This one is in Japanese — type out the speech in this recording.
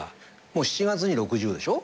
もう７月に６０でしょ？